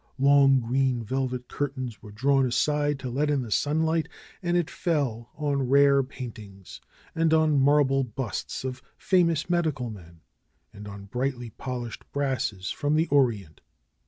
Long green velvet curtains were drawn aside to let in the sunlight, and it fell on rare paintings, and on marble busts of famous medical men, and on bright ly polished brasses from the Orient.